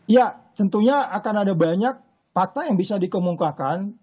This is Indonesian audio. ya tentunya akan ada banyak fakta yang bisa dikemukakan